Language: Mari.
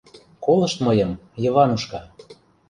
— Колышт мыйым, Йыванушка?